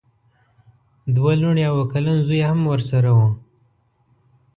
دوه لوڼې او اوه کلن زوی یې هم ورسره وو.